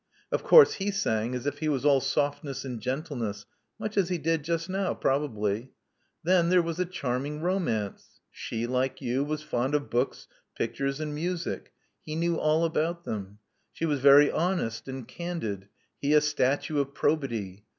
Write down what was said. Of course he sang as if he was all softness and gentle ness, much as he did just now, probably. Then there was a charming romance. She, like you, was fond of books, pictures, and music. He knew all about them. She was very honest and candid: he a statue of probity.